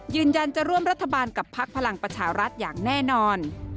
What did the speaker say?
ยืนยันจะร่วมรัฐบาลกับพักพลังประชารัฐอย่างแน่นอน